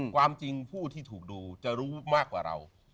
ความจริงผู้ที่ถูกดูจะรู้มากกว่าเรา